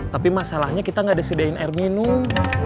tapi masalahnya kita gak desediin air minum